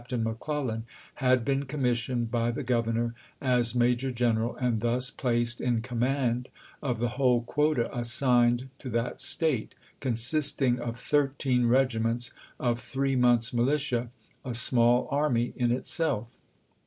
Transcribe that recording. tain McClellan had been commissioned by the Governor as major general, and thus placed in command of the whole quota assigned to that State, consisting of thirteen regiments of three months' militia, a small army in itself.